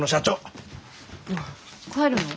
帰るの？